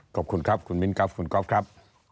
ขอบคุณครับคุณมิ้นครับคุณก๊อฟครับ